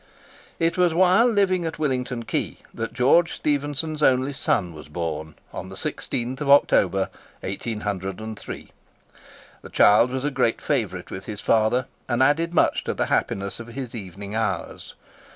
It was while living at Willington Quay that George Stephenson's only son was born, on the 16th of October, 1803. The child was a great favourite with his father, and added much to the happiness of his evening hours.